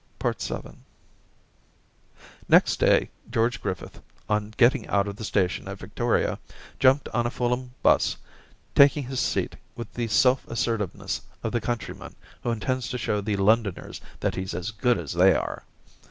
VII Next day George Griffith, on getting out of the station at Victoria, jumped on a Fulham 'bus, taking his seat with the self assertive ness of the countryman who intends to show the Londoners that he's as good as they are.